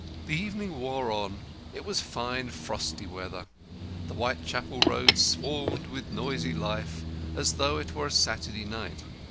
The evening wore on. It was fine frosty weather. The Whitechapel Road swarmed with noisy life, as though it were a Saturday night.